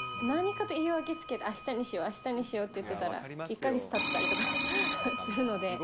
何かと言い訳つけて、あしたにしよう、あしたにしようって言ってたら、１か月たってたりとかするので。